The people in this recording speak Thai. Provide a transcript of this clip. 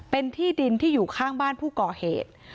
เป็นที่ดินที่อยู่ข้างบ้านผู้ก่อเหตุ